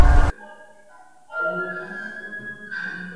Bingo Little is a longtime friend of Bertie Wooster.